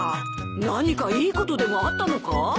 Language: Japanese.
何かいいことでもあったのか？